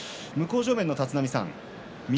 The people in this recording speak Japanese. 向正面の立浪さん、翠